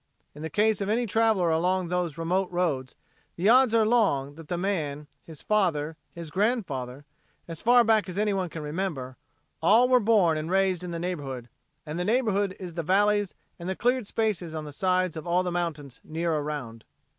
In the case of any traveler along those remote roads the odds are long that the man, his father, his grandfather as far back as anyone can remember all were born and raised in the neighborhood, and the neighborhood is the valleys and the cleared spaces on the sides of all the mountains near around.